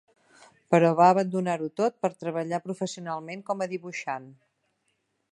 Però va abandonar-ho tot per treballar professionalment com a dibuixant.